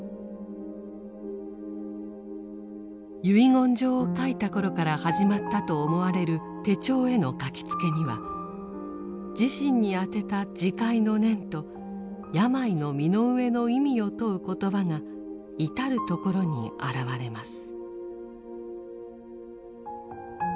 遺言状を書いた頃から始まったと思われる手帳への書きつけには自身に宛てた自戒の念と病の身の上の意味を問う言葉が至る所にあらわれます。